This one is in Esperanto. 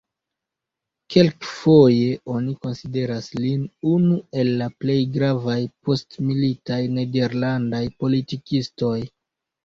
Kelkfoje oni konsideras lin unu el la plej gravaj postmilitaj nederlandaj politikistoj.